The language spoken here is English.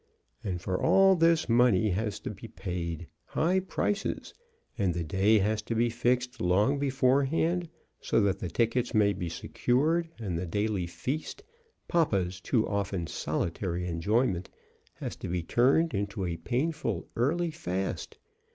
And for all this money has to be paid, high prices, and the day has to be fixed long beforehand, so that the tickets may be secured, and the daily feast, papa's too often solitary enjoyment, has to be turned into a painful early fast.